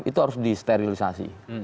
itu harus disterilisasi